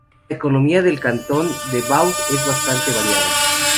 La economía del cantón de Vaud es bastante variada.